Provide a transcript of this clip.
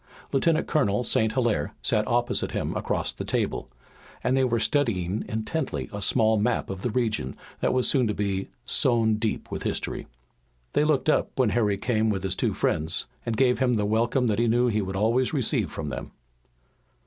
Lieutenant Colonel St. Hilaire sat opposite him across the table, and they were studying intently a small map of a region that was soon to be sown deep with history. They looked up when Harry came with his two friends, and gave him the welcome that he knew he would always receive from them.